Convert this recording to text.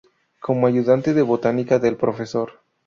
Como ayudante de botánica del Prof.